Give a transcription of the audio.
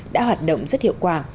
đã hoạt động rất hiệu quả